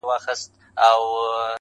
• زه په تیارو کي چي ډېوه ستایمه,